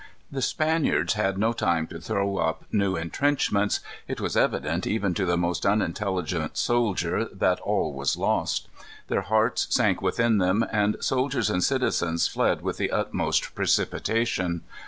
The Spaniards had no time to throw up new intrenchments. It was evident, even to the most unintelligent soldier, that all was lost. Their hearts sank within them, and soldiers and citizens fled with the utmost precipitation.